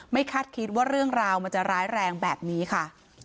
คาดคิดว่าเรื่องราวมันจะร้ายแรงแบบนี้ค่ะ